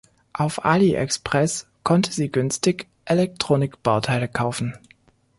Auf AliExpress konnte sie günstig Elektronikbauteile kaufen.